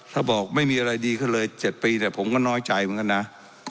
ถ้าบอกไม่มีอะไรดีขึ้นเลย๗ปีเนี่ยผมก็น้อยใจเหมือนกันนะ